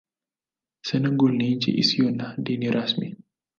Senegal ni nchi isiyo na dini rasmi.